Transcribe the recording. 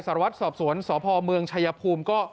สารวัตรสอบสวนสพเมืองชายภูมิก็